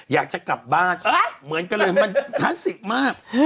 อยากจะกลับบ้านเหมือนกันเลยมันคลาสสิกมาก